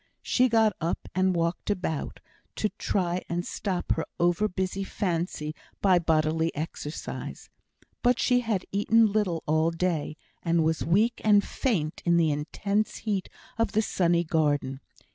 She got up and walked about, to try and stop her over busy fancy by bodily exercise. But she had eaten little all day, and was weak and faint in the intense heat of the sunny garden.